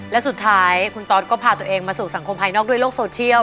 และสุดท้ายคุณตอสก็พาตัวเองมาสู่สังคมภายนอกด้วยโลกโซเชียล